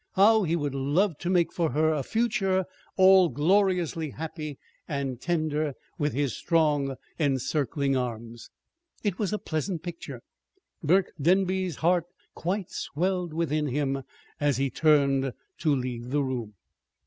How he would love to make for her a future all gloriously happy and tender with his strong, encircling arms! It was a pleasant picture. Burke Denby's heart quite swelled within him as he turned to leave the room.